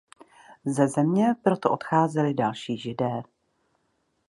Ze země proto odcházeli další Židé.